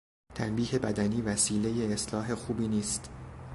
تنبیه بدنی وسیلهی اصلاح خوبی نیست.